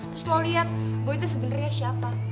terus lo liat boy itu sebenernya siapa